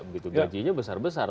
begitu gajinya besar besar